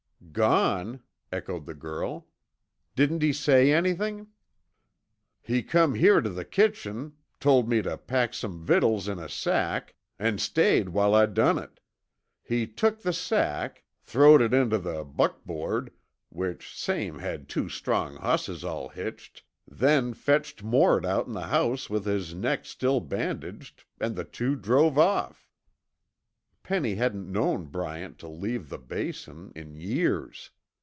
"Gone," echoed the girl. "Didn't he say anything?" "He come here tuh the kitchen, told me tuh pack some vittles in a sack, an' stayed while I done it. He took the sack, tho'wed it intuh the buckboard, which same had two strong hosses all hitched, then fetched Mort outen the house with his neck still bandaged, an' the two druv off." Penny hadn't known Bryant to leave the Basin in years.